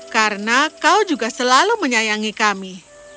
karena kau juga selalu menyayangi kami